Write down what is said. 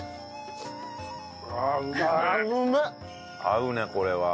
合うねこれは。